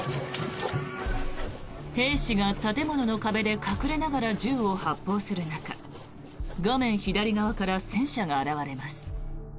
兵士が建物の壁で隠れながら銃を発砲する中画面左側から戦車が現れます。